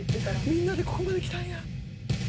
みんなでここまできたんや。